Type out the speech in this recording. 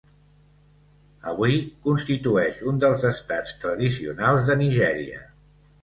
Avui, constitueix un dels estats tradicionals de Nigèria.